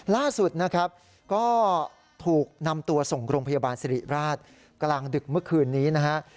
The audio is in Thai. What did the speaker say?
ล่าสุดนะครับก็ถูกนำตัวส่งโรงพยาบาลสิริราชกลางดึกเมื่อคืนนี้นะฮะ